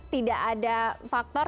tidak ada faktor